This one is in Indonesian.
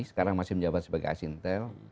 sekarang masih menjabat sebagai asintel